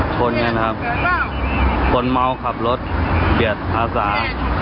ชนกันนะครับคนเมาขับรถเบียดอาสา